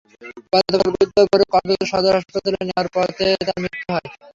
গতকাল বুধবার ভোরে কক্সবাজার সদর হাসপাতালে নেওয়ার পথে তাঁর মৃত্যু হয়।